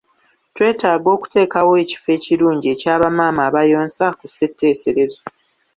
twetaaga okuteekawo ekifo ekirungi ekya bamaama abayonsa ku ssetteeserezo.